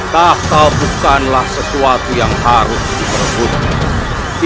tak kalpukanlah sesuatu yang harus diperbutkan